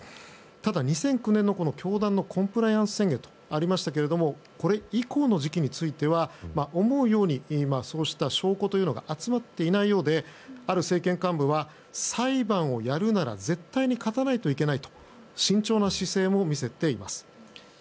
ただ、２００９年の教団のコンプライアンス宣言というのがありましたけどもこれ以降の時期については思うようにそうした証拠というのが集まっていないようである政権幹部は裁判をやるなら絶対に勝たないといけないと慎重な姿勢も見せています。